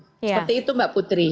seperti itu mbak putri